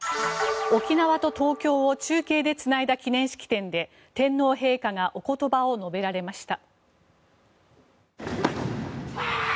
沖縄と東京を中継でつないだ記念式典で天皇陛下がお言葉を述べられました。